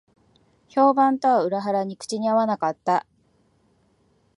評判とは裏腹に口に合わなかった